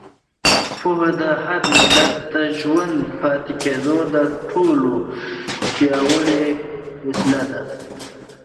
پوهه د هر ملت د ژوندي پاتې کېدو تر ټولو پیاوړې وسیله ده.